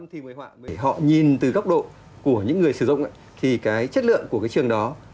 thì họ nhìn từ góc độ của những người sử dụng thì cái chất lượng của cái trường đó